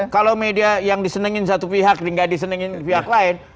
kalau media yang disenengin satu pihak nih nggak disenengin pihak lain